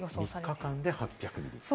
３日間で８００ミリ。